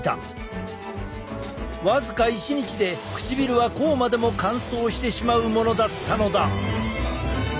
僅か一日で唇はこうまでも乾燥してしまうものだったのだ。